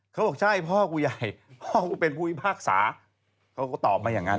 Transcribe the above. เขาบอกใช่พ่อกูใหญ่พ่อกูเป็นผู้พิพากษาเขาก็ตอบมาอย่างนั้น